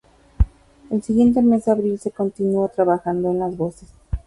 El siguiente mes de abril se continuó trabajando en las voces.